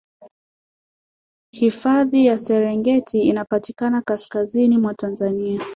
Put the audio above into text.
hifadhi ya serengeti inapatikana kasikazini mwa tanzania